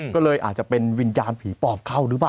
ก็เลยอาจจะเป็นวิญญาณผีปอบเข้าหรือเปล่า